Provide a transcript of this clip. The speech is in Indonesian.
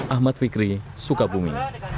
ahmad fikri sukabumi